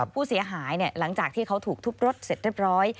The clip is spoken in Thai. ผู้เสียหายเนี่ยหลังจากที่เขาถูกทุบรถเสร็จเรียบร้อย